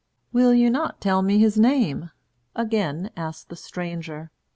"Will you not tell me his name?" again asked the stranger.